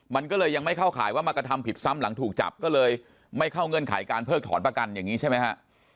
มันก็เลยยังไม่เข้าข่ายว่ามากระทำผิดซ้ำหลังถูกจับก็เลยไม่เข้าเงื่อนไขการเพิกถอนประกันอย่างนี้ใช่ไหมฮะ